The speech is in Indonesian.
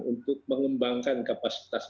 untuk mengembangkan kapasitas